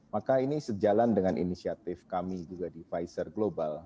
maka ini sejalan dengan inisiatif kami juga di pfizer global